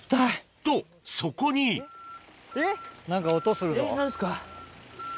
とそこにえっ何ですか？